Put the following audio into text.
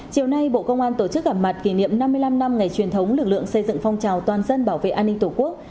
chiều nay bộ công an tổ chức gặp mặt kỷ niệm năm mươi năm năm ngày truyền thống lực lượng xây dựng phong trào toàn dân bảo vệ an ninh tổ quốc